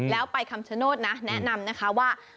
แล้วไปคำชโนธนะแนะนำนะคะว่า